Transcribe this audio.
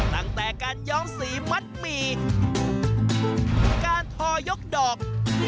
ตั้งแต่การย้อมสีมัดหมีการทอยกดอก